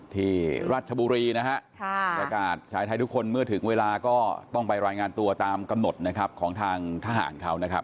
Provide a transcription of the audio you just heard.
ที่ราชบุรีนะฮะประกาศชายไทยทุกคนเมื่อถึงเวลาก็ต้องไปรายงานตัวตามกำหนดนะครับของทางทหารเขานะครับ